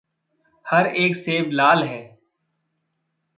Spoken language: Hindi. हर एक सेब लाल है।